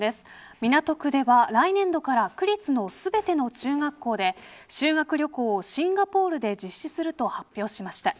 港区では来年度から区立の全ての中学校で修学旅行をシンガポールで実施すると発表しました。